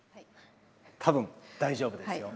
多分大丈夫ですよ。